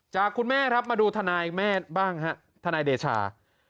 จากคุณแม่ครับมาดูทนายแม่บ้างฮะทนายเดชา